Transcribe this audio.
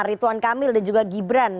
rituan kamil dan juga gibran